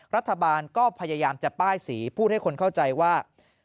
รัฐบาลก็พยายามจะป้ายสีพูดให้คนเข้าใจว่า